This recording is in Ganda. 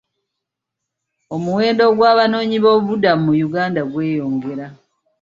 Omuwendo gw'abanoonyi b'obubuddamu mu Uganda gweyongera.